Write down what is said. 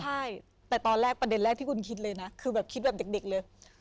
ใช่แต่ตอนแรกประเด็นแรกที่คุณคิดเลยนะคือแบบคิดแบบเด็กเลย